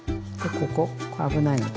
ここ危ないので。